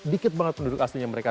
dikit banget penduduk aslinya mereka